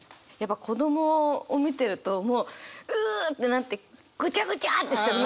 子どもを見てるともうううってなってぐちゃぐちゃってしたくなる！